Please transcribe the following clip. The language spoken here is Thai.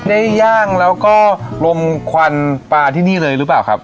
ย่างแล้วก็ลมควันปลาที่นี่เลยหรือเปล่าครับ